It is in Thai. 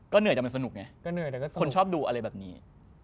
ก็เหนื่อยแต่มันสนุกไงคนชอบดูอะไรแบบนี้